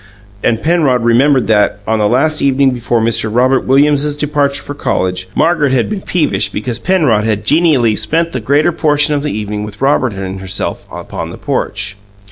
And Penrod remembered that, on the last evening before Mr. Robert Williams's departure for college, Margaret had been peevish because Penrod had genially spent the greater portion of the evening with Robert and herself upon the porch.